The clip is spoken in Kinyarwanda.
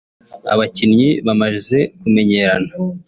abakinnyi bamaze kumenyerana